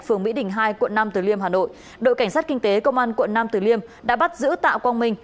phường mỹ đình hai quận năm từ liêm hà nội đội cảnh sát kinh tế công an quận nam tử liêm đã bắt giữ tạ quang minh